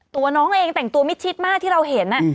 ตัวน้องเองแต่งตัวมิดชิดมากที่เราเห็น